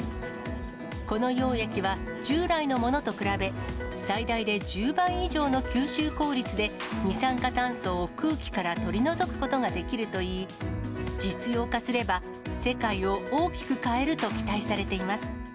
この溶液は従来のものと比べ、最大で１０倍以上の吸収効率で、二酸化炭素を空気から取り除くことができるといい、実用化すれば世界を大きく変えると期待されています。